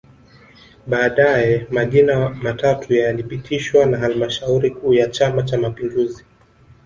Baadae majina matatu yalipitishwa na halmashauri kuu ya Chama Cha Mapinduzi